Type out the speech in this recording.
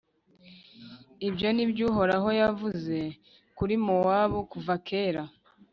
Ibyo ni byo Uhoraho yavuze kuri Mowabu kuva kera.